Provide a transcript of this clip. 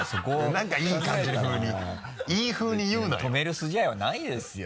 何かいい感じ風にいい風に言うな止める筋合いはないですよ